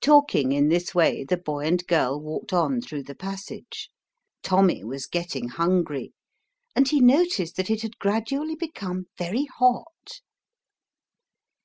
Talking in this way, the boy and girl walked on through the passage. Tommy was getting hungry, and he noticed that it had gradually become very hot.